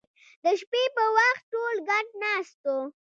د شپې په وخت ټول ګډ ناست وو